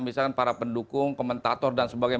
misalkan para pendukung komentator dan sebagainya